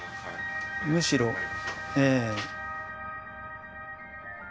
むしろええ。